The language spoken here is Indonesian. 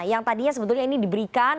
yang tadinya sebetulnya ini diberikan